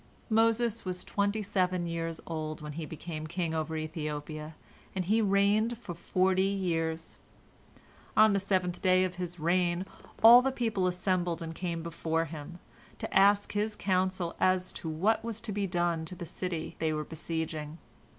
Moses was twenty seven years old when he became king over Ethiopia, and he reigned for forty years. On the seventh day of his reign, all the people assembled and came before him, to ask his counsel as to what was to be done to the city they were besieging.